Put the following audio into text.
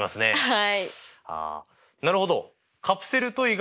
はい。